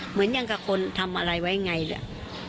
เหมือนยังกับคนทำอะไรไว้ไงด้วยอ่ะ